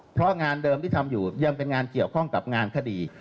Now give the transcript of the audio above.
เพราะงานเดิมที่ทำอยู่ยังเป็นงานเกี่ยวข้องกับงานคดี